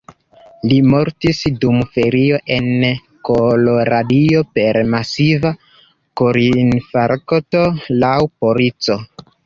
Li mortis dum ferio en Koloradio per masiva korinfarkto, laŭ polico.